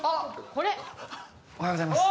これおはようございます